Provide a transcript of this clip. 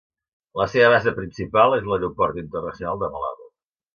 La seva base principal és l'Aeroport Internacional de Malabo.